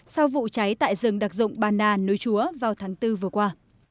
sau vụ cháy tại rừng đặc dụng bà nà núi chúa vào tháng bốn vừa qua